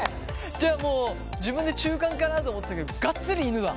じゃあもう自分で中間かなと思ったけどガッツリ犬だ。